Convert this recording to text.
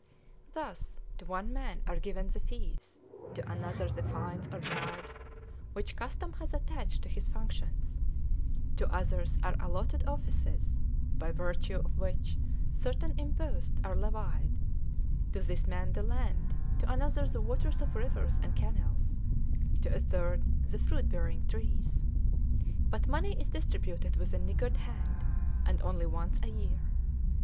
Thus, to one man are given the fees, to another the fines or bribes, which custom has attached to his functions; to others are alloted offices, by virtue of which certain imposts are levied; to this man the land; to another the waters of rivers and canals; to a third the fruit bearing trees. But money is distributed with a niggard hand, and only once a year.